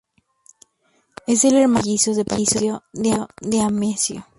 Es el hermano mellizo de Patricio D'Amico.